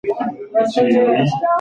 بند امير د ښکلا نوم دی.